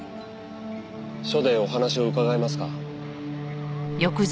署でお話を伺えますか？